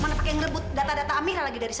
manapun yang ngebut data data amira lagi dari saya